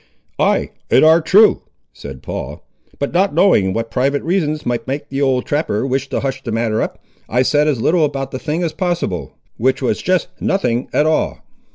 "Ay; it ar' true," said Paul; "but not knowing what private reasons might make the old trapper wish to hush the matter up, I said as little about the thing as possible, which was just nothing at all."